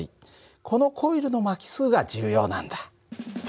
このコイルの巻き数が重要なんだ。